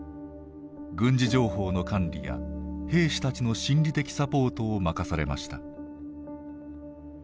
軍事情報の管理や兵士たちの心理的サポートを任されました。